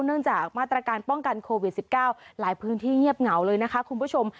เนื่องจากมาตรการป้องกันโควิด๑๙หลายพื้นที่เงียบเหงาเลยนะคะคุณผู้ชม